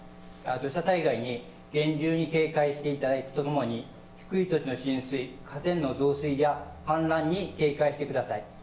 土砂災害に厳重に警戒していただくとともに、低い土地の浸水、河川の増水や氾濫に警戒してください。